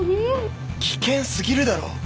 危険すぎるだろ。